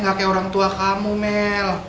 ga kaya orang tua kamu mel